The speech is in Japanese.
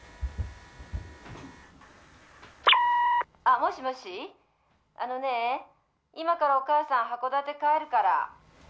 「もしもし今からお母さん函館帰るから」